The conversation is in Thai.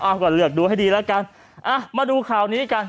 เอาก็เลือกดูให้ดีแล้วกันอ่ะมาดูข่าวนี้กัน